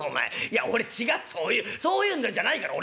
や俺違そういうそういうのじゃないから俺。